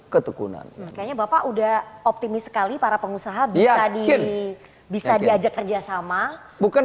ketekunan kayaknya bapak udah optimis sekali para pengusaha bisa di bisa diajak kerjasama bukan